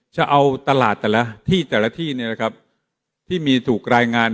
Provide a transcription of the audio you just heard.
จะเอาตลาดแต่ละที่แต่ละที่เนี่ยนะครับที่มีถูกรายงาน